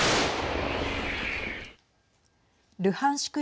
ルハンシク